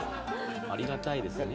ありがたいですね。